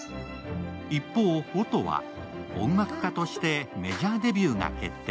一方、音は音楽家としてメジャーデビューが決定。